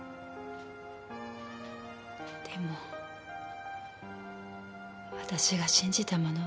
でも私が信じたものは